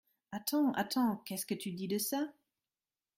Attends, attends, qu’est-ce que tu dis de ça ?